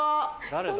誰だ？